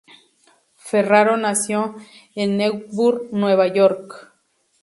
Ferraro nació en Newburgh, Nueva York.